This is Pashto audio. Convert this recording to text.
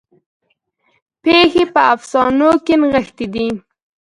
پیښې په افسانو کې نغښتې دي.